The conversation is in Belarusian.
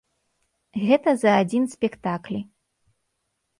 Гэта за адзін спектаклі.